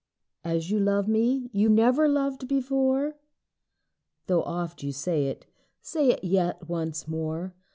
WIFE As you love me, you never loved before? Though oft you say it, say it yet once more.